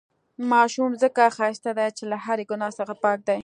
ماشومان ځڪه ښايسته دي، چې له هرې ګناه څخه پاک دي.